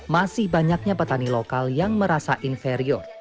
masih banyaknya petani lokal yang merasa inferior